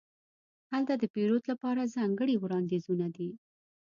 هلته د پیرود لپاره ځانګړې وړاندیزونه دي.